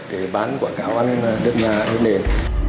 để bán quảng cáo ăn đất nền